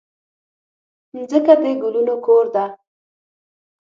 مځکه د ګلونو کور ده.